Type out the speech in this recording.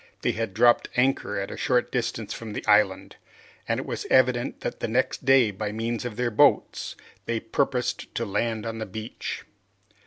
They had dropped anchor at a short distance from the island, and it was evident that the next day by means of their boats they purposed to land on the beach!